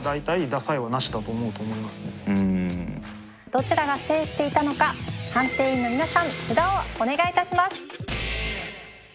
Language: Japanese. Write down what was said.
どちらが制していたのか判定員の皆さん札をお願い致します。